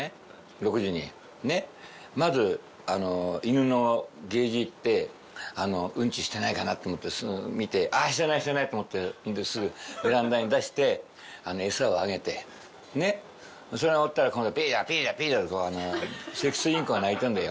６時にねっまずあの犬のケージ行ってウンチしてないかなって思ってすぐ見てあしてないしてないと思ってすぐベランダに出して餌をあげてねっそれが終わったら今度ピヨピヨピヨセキセイインコが鳴いたんだよ